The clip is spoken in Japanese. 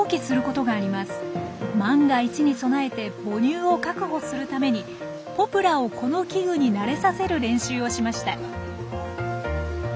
万が一に備えて母乳を確保するためにポプラをこの器具に慣れさせる練習をしました。